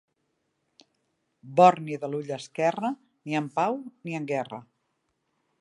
Borni de l'ull esquerre, ni en pau ni en guerra.